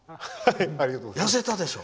痩せたでしょ？